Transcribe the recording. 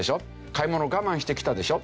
買い物を我慢してきたでしょ？